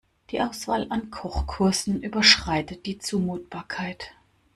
Die Auswahl an Kochkursen überschreitet die Zumutbarkeit.